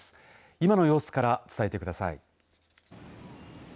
今の様子から伝えてください。